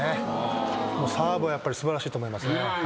サーブはやっぱり素晴らしいと思いますね。